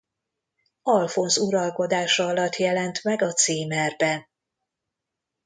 Alfonz uralkodása alatt jelent meg a címerben.